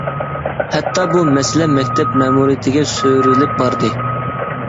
ھەتتا بۇ مەسىلە مەكتەپ مەمۇرىيىتىگە سۆرىلىپ باردى.